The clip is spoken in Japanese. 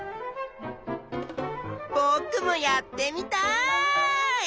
ぼくもやってみたい！